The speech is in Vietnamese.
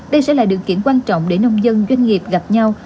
đây sẽ là điều kiện quan trọng để nông dân doanh nghiệp gặp nhau